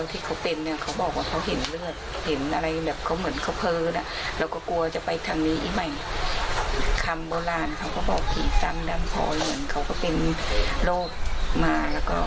ผีซ้ำดังพอเหมือนเขาก็เป็นโรคมาแล้วก็ผีก็ซ้ำอีกมา